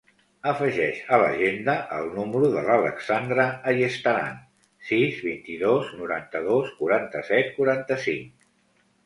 Afegeix a l'agenda el número de l'Alexandra Ayestaran: sis, vint-i-dos, noranta-dos, quaranta-set, quaranta-cinc.